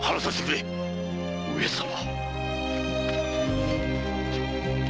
上様！